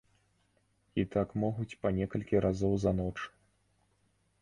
І так могуць па некалькі разоў за ноч.